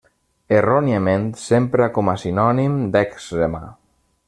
Erròniament s'empra com a sinònim d'èczema.